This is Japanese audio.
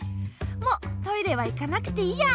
もうトイレは行かなくていいや。